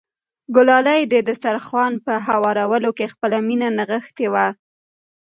ګلالۍ د دسترخوان په هوارولو کې خپله مینه نغښتې وه.